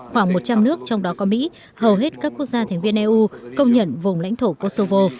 khoảng một trăm linh nước trong đó có mỹ hầu hết các quốc gia thành viên eu công nhận vùng lãnh thổ kosovo